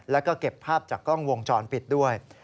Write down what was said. แล้วก็เก็บภาพจากกล้องวงจรปิดด้วย